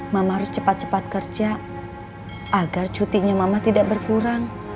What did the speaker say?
mama harus cepat cepat kerja agar cutinya mama tidak berkurang